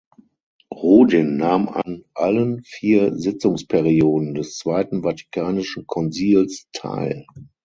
Rudin nahm an allen vier Sitzungsperioden des Zweiten Vatikanischen Konzils teil.